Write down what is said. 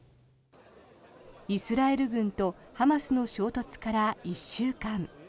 イスラエル軍とハマスの衝突から１週間。